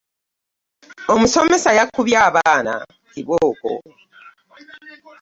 Omusomesa yakubye abaana kibooko.